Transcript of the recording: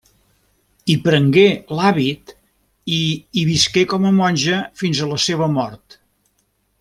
Hi prengué l'hàbit i hi visqué com a monja fins a la seva mort.